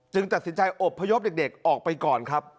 ตัดสินใจอบพยพเด็กออกไปก่อนครับ